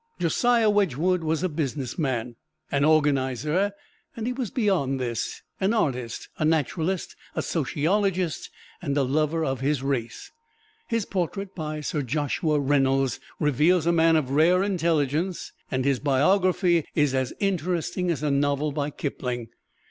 Josiah Wedgwood was a businessman an organizer, and he was beyond this, an artist, a naturalist, a sociologist and a lover of his race. His portrait by Sir Joshua Reynolds reveals a man of rare intelligence, and his biography is as interesting as a novel by Kipling.